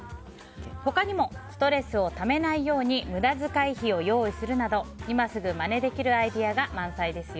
他にもストレスをためないように無駄遣い費を用意するなど今すぐまねできるアイデアが満載ですよ。